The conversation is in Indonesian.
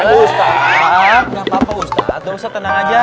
ustaz gapapa ustaz gak usah tenang aja